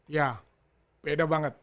ya beda banget